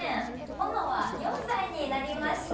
保乃は４歳になりました。